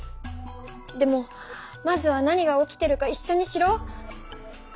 でもまずは何が起きてるかいっしょに知ろう。